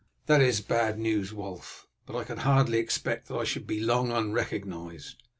"That is bad news, Wulf; but I could hardly expect that I should be long unrecognized.